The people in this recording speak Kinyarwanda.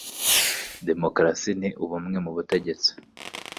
Demokarasi ni bumwe mu butegetsi.